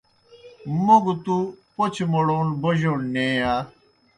موْ گہ تُوْ پوْچہ موڑون بوجوݨ نیں یا؟